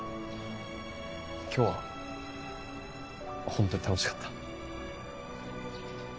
今日は本当に楽しかった。